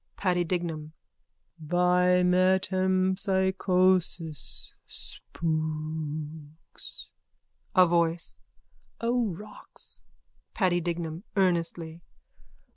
PADDY DIGNAM: By metempsychosis. Spooks. A VOICE: O rocks. PADDY DIGNAM: _(Earnestly.)